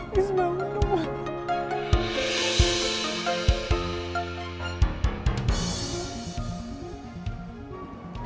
please bangun dong